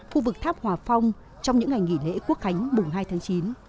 khu vực tháp hòa phong trong những ngày nghỉ lễ quốc khánh mùng hai tháng chín